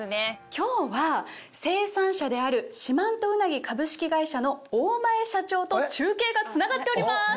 今日は生産者である四万十うなぎ株式会社の大前社長と中継がつながっております。